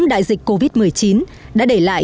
đại dịch covid một mươi chín đã để lại